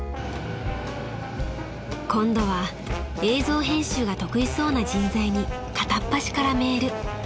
［今度は映像編集が得意そうな人材に片っ端からメール］